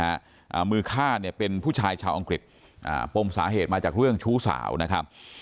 อ่ามือฆ่าเนี่ยเป็นผู้ชายชาวอังกฤษอ่าปมสาเหตุมาจากเรื่องชู้สาวนะครับ